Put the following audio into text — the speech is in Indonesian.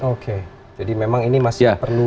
oke jadi memang ini masih perlu